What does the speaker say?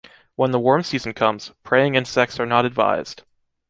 When the warm season comes, praying and sex are not advised.